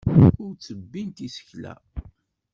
Ur ttebbint isekla.